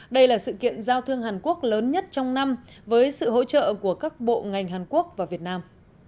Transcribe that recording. đây là sự kiện giao thương hàn quốc lớn nhất trong năm với sự hỗ trợ của các bộ ngành hàn quốc và việt nam